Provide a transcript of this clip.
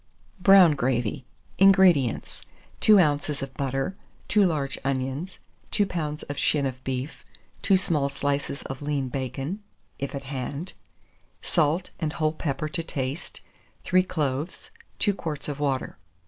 BROWN GRAVY. 436. INGREDIENTS. 2 oz. of butter, 2 large onions, 2 lbs. of shin of beef, 2 small slices of lean bacon (if at hand), salt and whole pepper to taste, 3 cloves, 2 quarts of water.